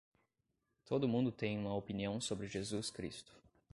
Todo mundo tem uma opinião sobre Jesus Cristo.